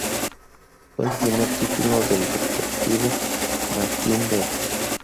Fue el primer título del detective Martin Beck.